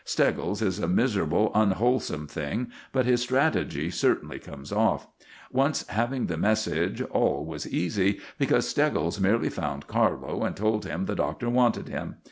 Steggles is a miserable, unwholesome thing, but his strategy certainly comes off. Once having the message, all was easy, because Steggles merely found Carlo, and told him the Doctor wanted him.